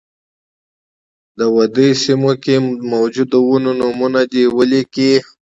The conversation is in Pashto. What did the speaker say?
د ودې سیمو کې د موجودو ونو نومونه دې ولیکي.